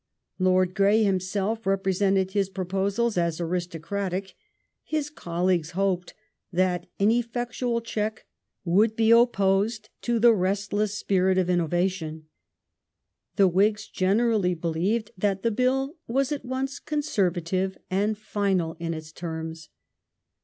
Lord Grey himself represented his proposals as "aristocratic" ; his colleagues hoped that an "effectual check would be opposed to the restless spirit of innovation ";^ the Whigs generally believed that the Bill was at once "conservative" and final in its terms.